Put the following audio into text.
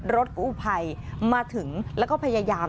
รถกู้ภัยมาถึงแล้วก็พยายาม